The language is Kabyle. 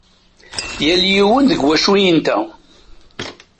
Yal yiwen deg wacu i yenta.